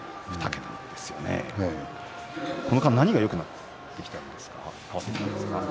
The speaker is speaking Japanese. この間、何がよくなったんですか。